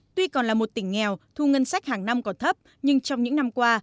tuy còn là một tỉnh nghèo thu ngân sách hàng năm còn thấp nhưng trong những năm qua